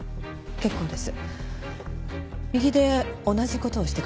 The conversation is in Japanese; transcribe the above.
結構です。